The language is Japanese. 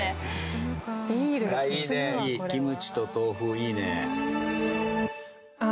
キムチと豆腐いいね。